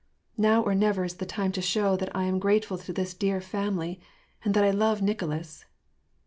" Now or never is the time to show that I am grateful to this dear family, and that I love Nicolas.